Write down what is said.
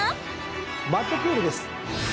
マッドクールです。